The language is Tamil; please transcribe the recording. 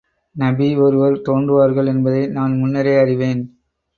நபி ஒருவர் தோன்றுவார்கள் என்பதை நான் முன்னரே அறிவேன்.